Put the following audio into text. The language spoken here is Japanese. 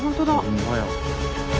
ほんまや。